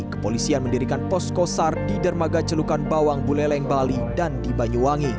kepolisian mendirikan pos kosar di dermaga celukan bawang buleleng bali dan di banyuwangi